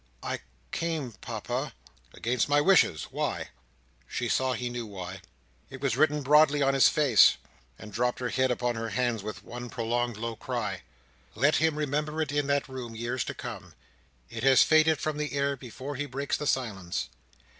"I came, Papa—" "Against my wishes. Why?" She saw he knew why: it was written broadly on his face: and dropped her head upon her hands with one prolonged low cry. Let him remember it in that room, years to come. It has faded from the air, before he breaks the silence.